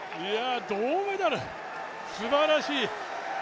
銅メダル、すばらしい。